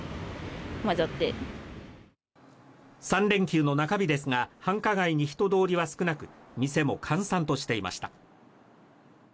３連休の中日ですが、繁華街に人通りは少なく、店も閑散としていました。